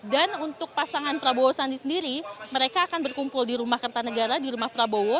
dan untuk pasangan prabowo sandi sendiri mereka akan berkumpul di rumah kerta negara di rumah prabowo